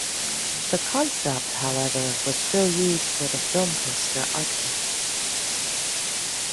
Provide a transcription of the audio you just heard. The concept, however, was still used for the film poster artwork.